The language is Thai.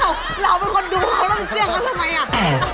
อ้าวเราเป็นคนดูเราต้องเชื่อมันทำไม